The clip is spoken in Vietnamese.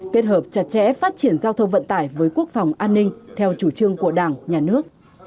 kết hợp chặt chẽ phát triển giao thông vận tải với quốc phòng an ninh theo chủ trương của đảng nhà nước